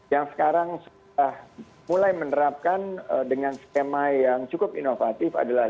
yang sekarang sudah mulai menerapkan dengan skema yang cukup inovatif adalah